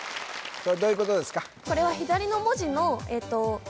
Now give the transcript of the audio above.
これどういうことですか？